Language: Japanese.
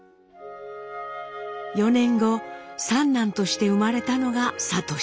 ４年後三男として生まれたのが智。